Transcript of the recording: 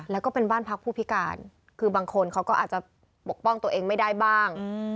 แล้วก็เป็นบ้านพักผู้พิการคือบางคนเขาก็อาจจะปกป้องตัวเองไม่ได้บ้าง